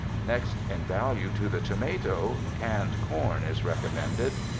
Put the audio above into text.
Next in value to the tomato, canned corn is recommended.